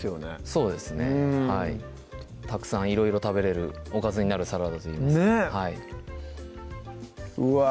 そうですねはいたくさんいろいろ食べれるおかずになるサラダといいますかうわ